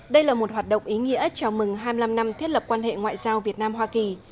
đây là một hoạt động ý nghĩa chào mừng hai mươi năm năm thiết lập quan hệ ngoại giao việt nam hoa kỳ